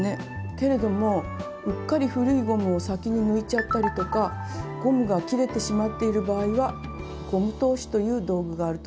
けれどもうっかり古いゴムを先に抜いちゃったりとかゴムが切れてしまっている場合はゴム通しという道具があると便利ですね。